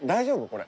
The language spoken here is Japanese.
これ。